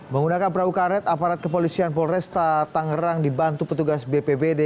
menggunakan perahu karet aparat kepolisian polresta tangerang dibantu petugas bpbd